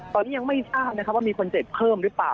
ตอนนี้ยังไม่ทราบนะครับว่ามีคนเจ็บเพิ่มหรือเปล่า